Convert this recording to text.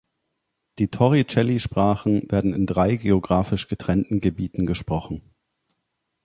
Die Torricelli-Sprachen werden in drei geographisch getrennten Gebieten gesprochen.